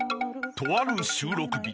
［とある収録日］